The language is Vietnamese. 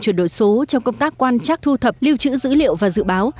truyền đổi số trong công tác quan chắc thu thập lưu trữ dữ liệu và dự báo